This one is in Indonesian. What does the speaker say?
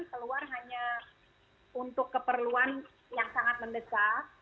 keluar hanya untuk keperluan yang sangat mendesak